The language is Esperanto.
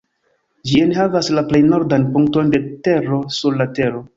Ĝi enhavas la plej nordan punkton de tero sur la Tero.